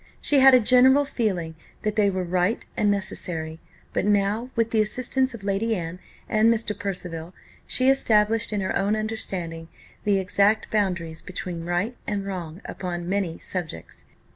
She had a general feeling that they were right and necessary; but now, with the assistance of Lady Anne and Mr. Percival, she established in her own understanding the exact boundaries between right and wrong upon many subjects.